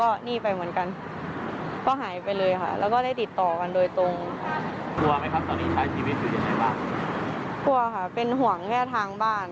กลัวค่ะเป็นห่วงแค่ทางบ้านแต่ตัวเองก็แบบก็พอรับได้แค่จิตใจแย่แต่ว่าก็เป็นห่วงแม่มากกว่า